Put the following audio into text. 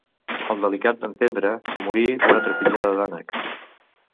El delicat d'en Tendre, que morí d'una trepitjada d'ànec.